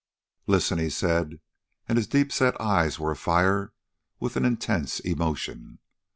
"Listen," he said, and his deep set eyes were afire with an intense emotion.